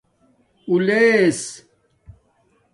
اولس